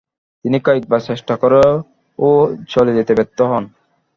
তিনি কয়েকবার চেষ্টা করেও চলে যেতে ব্যর্থ হন।